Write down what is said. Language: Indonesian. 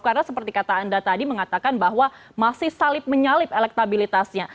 karena seperti kata anda tadi mengatakan bahwa masih salib menyalib elektabilitasnya